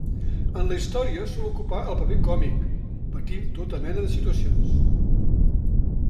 En la història sol ocupar el paper còmic, patint tota mena de situacions.